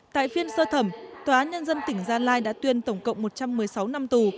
tại phiên sơ thẩm tòa án nhân dân tỉnh gia lai đã tuyên tổng cộng một trăm một mươi sáu năm tù